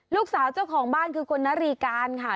เจ้าของบ้านคือคุณนารีการค่ะ